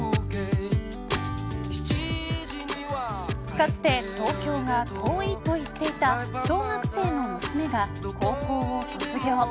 かつて東京が遠いと言っていた小学生の娘が高校を卒業。